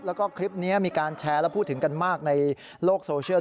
แล้วก็คลิปนี้มีการแชร์และพูดถึงกันมากในโลกโซเชียล